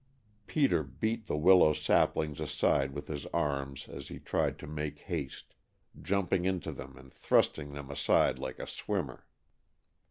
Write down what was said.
Peter beat the willow saplings aside with his arms as he tried to make haste, jumping into them and thrusting them aside like a swimmer.